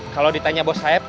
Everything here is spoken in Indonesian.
kalau ditanya bos saeb